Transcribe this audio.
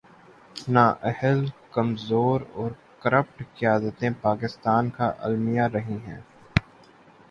نا اہل‘ کمزور اور کرپٹ قیادتیں پاکستان کا المیہ رہی ہیں۔